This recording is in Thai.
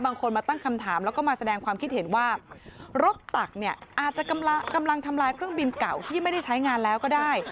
บางคนมาตั้งคำถามแล้วก็มาแสดงความคิดเห็นว่ารถตักเนี่ยอาจจะกำลังทำลายเครื่องบินเก่าที่ไม่ได้ใช้งานแล้วก็ได้